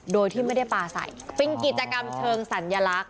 โดยที่ไม่ได้ปลาใส่เป็นกิจกรรมเชิงสัญลักษณ